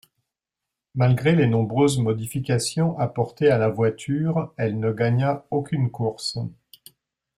Malgré les nombreuses modifications apportées à la voiture, elle ne gagna aucune course.